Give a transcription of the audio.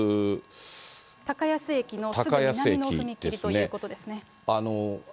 たかやす駅のすぐ南の踏切ということですね。